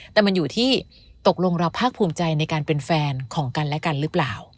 แต่มันอยู่ที่ตกลงเราภาคภูมิใจในการเป็นแฟนของกันและกันหรือเปล่า